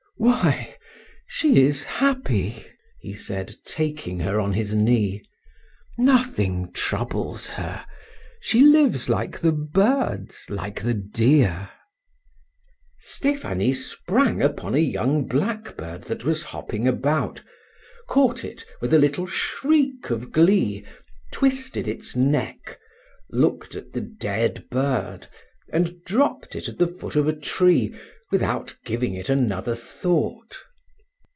Why, she is happy," he said, taking her on his knee; "nothing troubles her; she lives like the birds, like the deer " Stephanie sprang upon a young blackbird that was hopping about, caught it with a little shriek of glee, twisted its neck, looked at the dead bird, and dropped it at the foot of a tree without giving it another thought.